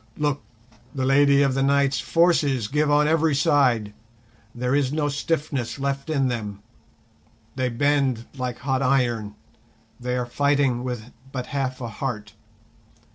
"Look, the Lady of the Night's forces give on every side, there is no stiffness left in them, they bend like hot iron, they are fighting with but half a heart.